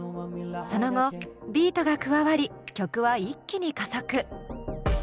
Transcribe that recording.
その後ビートが加わり曲は一気に加速。